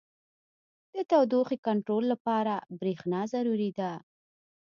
• د تودوخې کنټرول لپاره برېښنا ضروري ده.